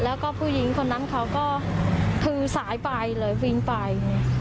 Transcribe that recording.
แล้วก็ผู้หญิงคนนั้นเขาก็ถือสายไปเลยวิ่งไป